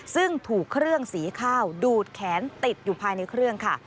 ซึ่งถูกเครื่องสีข้าวดูดแขนติดอยู่ภายในเครื่องค่ะ